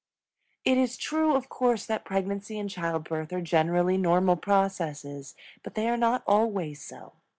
It is true, of course, that pregnancy and childbirth are generally normal processes, but they are not always so.